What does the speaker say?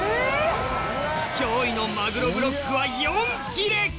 驚異のマグロブロックは４切れ！